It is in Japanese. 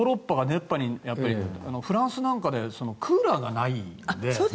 フランスなんかでクーラーがないので。